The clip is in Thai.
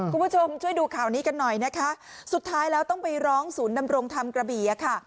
คุณผู้ชมช่วยดูข่าวนี้กันหน่อยนะคะสุดท้ายแล้วต้องไปร้องศูนย์ดำรงธรรมกระบี่อ่ะค่ะ